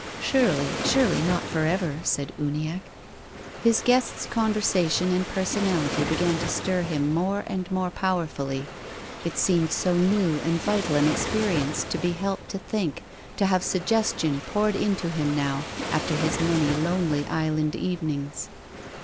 Surely, surely, not for ever," said Uniacke, His guest's conversation and personality began to stir him more and more powerfully. It seemed so new and vital an experience to be helped to think, to have suggestion poured into him now, after his many lonely island evenings.